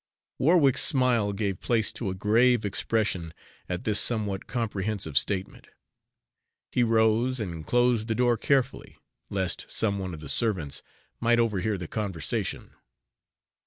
Warwick's smile gave place to a grave expression at this somewhat comprehensive statement. He rose and closed the door carefully, lest some one of the servants might overhear the conversation.